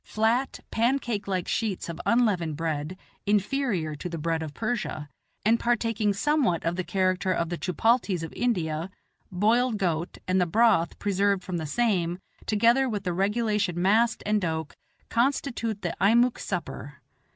Flat, pancake like sheets of unleavened bread, inferior to the bread of Persia, and partaking somewhat of the character of the chupalties of India, boiled goat, and the broth preserved from the same, together with the regulation mast and doke, constitute the Eimuek supper.